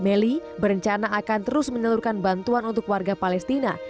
melly berencana akan terus menelurkan bantuan untuk warga palestina